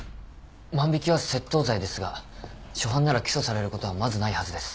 万引は窃盗罪ですが初犯なら起訴されることはまずないはずです。